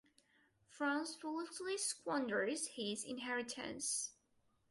Franz foolishly squanders his inheritance.